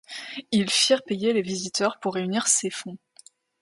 Ils firent payer les visiteurs pour réunir ces fonds.